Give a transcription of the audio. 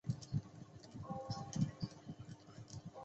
社会进化和文化进化的理论在欧洲思想界很常见。